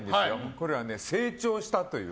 これは成長したという。